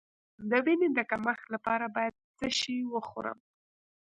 د وینې د کمښت لپاره باید څه شی وخورم؟